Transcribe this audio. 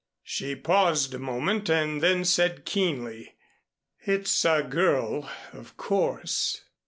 She paused a moment, and then said keenly: "It's a girl, of course."